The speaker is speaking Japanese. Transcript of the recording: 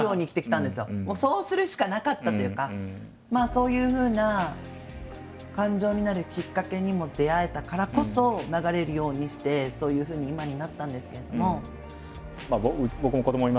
そういうふうな感情になるきっかけにも出会えたからこそ流れるようにしてそういうふうに今になったんですけれども。